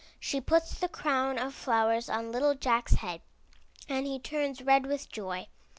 She puts the crown of flowers on little Jack's head, and he turns red with joy.